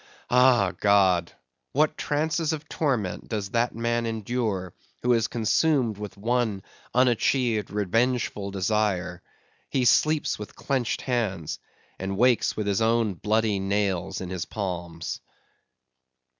Ah, God! what trances of torments does that man endure who is consumed with one unachieved revengeful desire. He sleeps with clenched hands; and wakes with his own bloody nails in his palms.